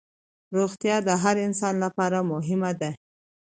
روغتیا د هر انسان لپاره مهمه ده